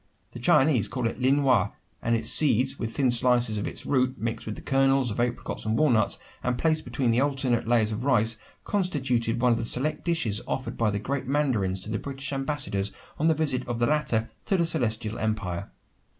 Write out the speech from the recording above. The Chinese call it "Lienwha," and its seeds with thin slices of its root, mixed with the kernels of apricots and walnuts, and placed between alternate layers of ice, constituted one of the select dishes offered by the great mandarins to the British ambassadors on the visit of the latter to the Celestial Empire.